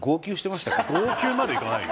号泣までいかない。